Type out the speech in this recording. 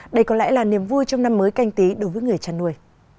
đây còn lại là niềm vui trong năm mới canh tí đối với người chăn nuôi